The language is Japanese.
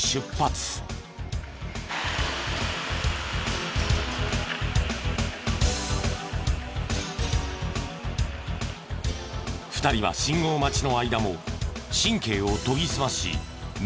２人は信号待ちの間も神経を研ぎ澄まし目を光らす。